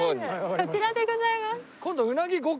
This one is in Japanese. こちらでございます。